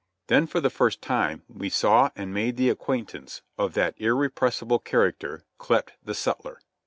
Then for the first time we saw and made the acquaintance of that irrepressible character ycleped the sutler.